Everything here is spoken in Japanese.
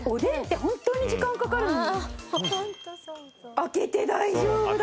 開けて大丈夫だ！